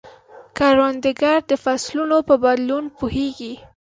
کروندګر د فصلونو په بدلون پوهیږي